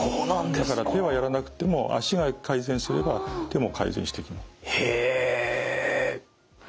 だから手はやらなくっても足が改善すれば手も改善してきます。